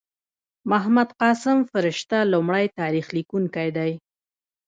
محمد قاسم فرشته لومړی تاریخ لیکونکی دﺉ.